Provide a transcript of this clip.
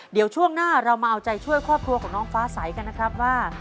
เดี๋ยวช่วงหน้าเรามาเอาใจช่วยครอบครัวของน้องฟ้าใสกันนะครับว่า